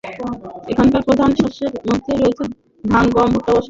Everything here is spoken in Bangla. এখানকার প্রধান শস্যের মধ্যে রয়েছে ধান, গম, ভুট্টা ও শাকসবজি।